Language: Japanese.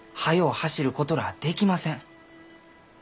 走ることらあできません。